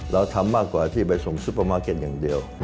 เราทำมากกว่าที่ไปส่งซุปเปอร์มาร์เก็ตอย่างเดียว